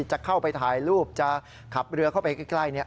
จะเข้าไปถ่ายรูปจะขับเรือเข้าไปใกล้